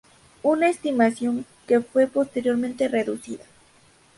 Una estimación que fue posteriormente reducida.